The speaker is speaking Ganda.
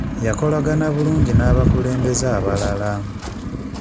Yakolagana bulungi n'abakulembeze abalala.